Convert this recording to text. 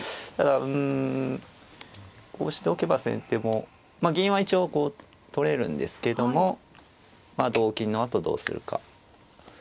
うんこうしておけば先手も銀は一応取れるんですけども同金のあとどうするか。